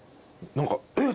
何か「えっ？」